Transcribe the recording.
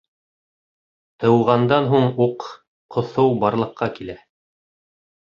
- тыуғандан һуң уҡ ҡоҫоу барлыҡҡа килә